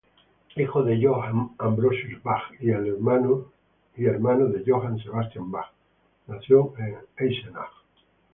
Hijo de Johann Ambrosius Bach y hermano de Johann Sebastian Bach, nació en Eisenach.